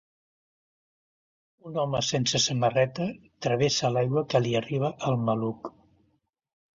Un home sense samarreta travessa l'aigua que li arriba al maluc.